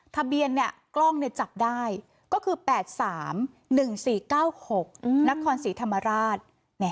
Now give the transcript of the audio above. ทะเบียนกล้องจับได้ก็คือ๘๓๑๔๙๖นครศรีธรรมราช